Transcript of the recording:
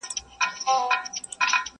د کفن له غله بېغمه هدیره وه٫